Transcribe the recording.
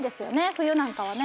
冬なんかはね。